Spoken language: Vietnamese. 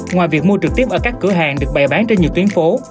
ngoài việc mua trực tiếp ở các cửa hàng được bày bán trên nhiều tuyến phố